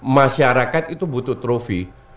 masyarakat itu butuh trophy